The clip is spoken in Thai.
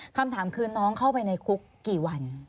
คำถามคือน้องเข้าไปในคุกกี่วัน